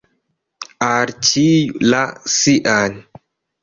Al ĉiu la sian.